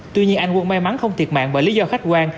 tuy nhiên anh quân may mắn không thiệt mạng bởi lý do khách quan